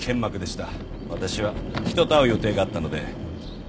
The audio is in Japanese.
私は人と会う予定があったので。